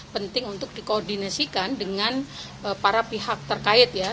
penting untuk dikoordinasikan dengan para pihak terkait ya